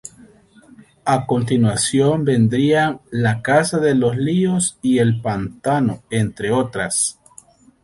A continuación vendrían "La casa de los líos" y "El pantano" entre otras.